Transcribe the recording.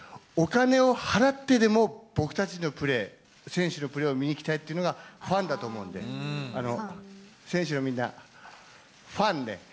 お金を払ってでも、僕たちのプレー、選手のプレーを見に行きたいというのがファンだと思うんで、選手のみんな、ファンね。